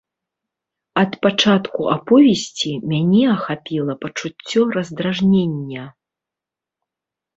Ад пачатку аповесці мяне ахапіла пачуццё раздражнення.